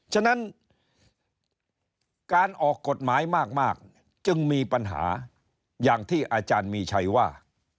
ฉะนั้นการออกกฎหมายมากจึงมีปัญหาอย่างที่อาจารย์มีชัยว่า